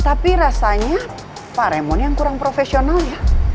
tapi rasanya pak remon yang kurang profesional ya